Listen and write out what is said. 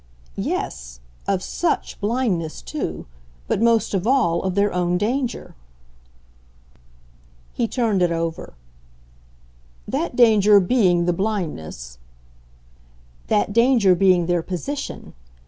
"Yes of SUCH blindness too. But most of all of their own danger." He turned it over. "That danger BEING the blindness ?" "That danger being their position.